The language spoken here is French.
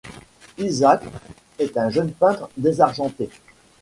Isaac est un jeune peintre désargenté.